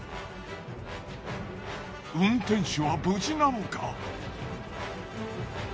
運転手は無事なのか？